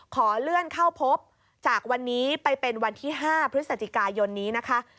ขอเลื่อนเข้าพบจากวันนี้ไปเป็นวันที่๕พฤศจิกายนนี้นะคะ